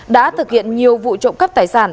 đã thực hiện nhiều vụ trộm cắp tài sản